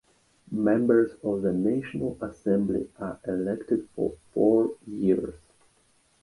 Members of the National Assembly are elected for four years.